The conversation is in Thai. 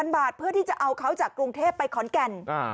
บาทเพื่อที่จะเอาเขาจากกรุงเทพไปขอนแก่น